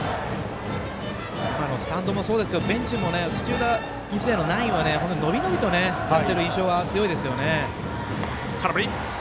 今のスタンドもそうですけどベンチも土浦日大のナインは伸び伸びとやってる印象が強いですよね。